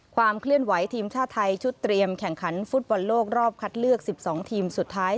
ความเคลื่อนไหวทีมชาติไทยชุดเตรียมแข่งขันฟุตบอลโลกรอบคัดเลือก๑๒ทีมสุดท้าย